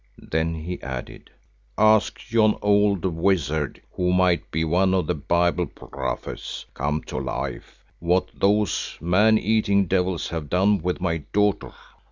Then he added, "Ask yon old wizard who might be one of the Bible prophets come to life—what those man eating devils have done with my daughter."